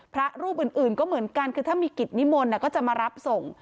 พระรูปอื่นก็เหมือนกันคือถ้ามีกิจนิมนต์ก็จะมารับส่ง